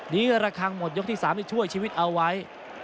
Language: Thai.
นี่ก็ระคังหมดยกที่สามที่ช่วยชีวิตเอาไว้